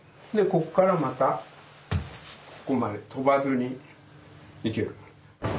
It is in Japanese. こっからまたここまで跳ばずにいける。